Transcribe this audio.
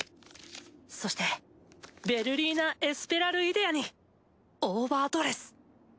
そしてヴェルリーナ・エスペラルイデアにオーバードレス！